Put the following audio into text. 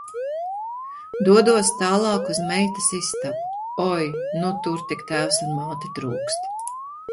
Dodos tālāk uz meitas istabu. Oi, nu tur tik tēvs un māte trūkst.